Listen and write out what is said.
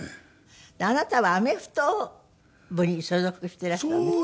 あなたはアメフト部に所属していらしたんですって？